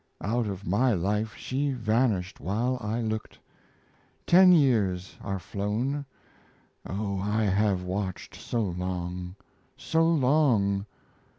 Out of my life she vanished while I looked! ... Ten years are flown. O, I have watched so long, So long.